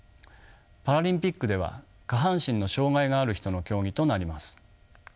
パラリンピックでは下半身の障がいがある人の競技となります。